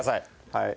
はい。